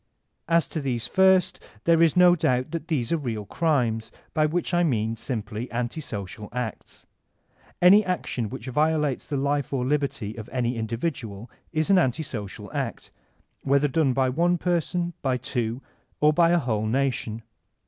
As to these first there is no doubt that these are real crimes, by which I mean simpiy anti social acts. Any action which violates the life or liberty of any indi vidual is an anti sodal act, whether done by one person, by two, or by a whole nation.